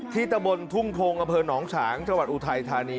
ตะบนทุ่งพงศ์อำเภอหนองฉางจังหวัดอุทัยธานี